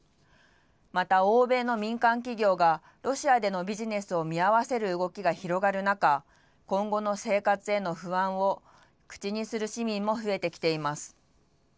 また欧米の民間企業が、ロシアでのビジネスを見合わせる動きが広がる中、今後の生活への不安を口にする市民も増えてきています。